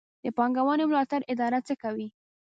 د پانګونې ملاتړ اداره څه کوي؟